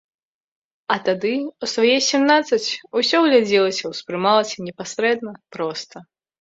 А тады, у свае сямнаццаць, усё глядзелася, успрымалася непасрэдна, проста.